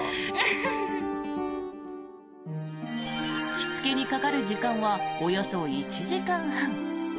着付けにかかる時間はおよそ１時間半。